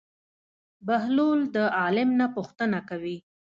بهلول د عالم نه پوښتنه کوي.